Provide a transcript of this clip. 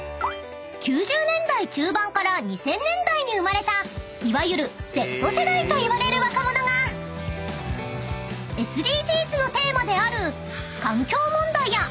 ［９０年代中盤から２０００年代に生まれたいわゆるＺ世代といわれる若者がＳＤＧｓのテーマである］